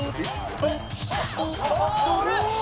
あれ？